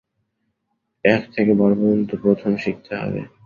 এক থেকে বার পর্যন্ত সংখ্যা প্রথম শিখতে হবে।